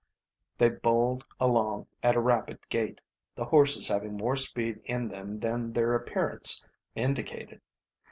They bowled along at a rapid gait, the horses having more speed in them than their appearance indicated.